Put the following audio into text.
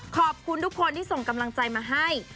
ขอบคุณทุกคนที่ส่งกำลังใจมาให้